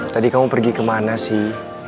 tadi kamu pergi kemana sih